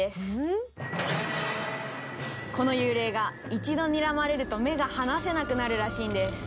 一度にらまれると目が離せなくなるらしいんです」